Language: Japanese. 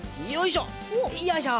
よいしょ。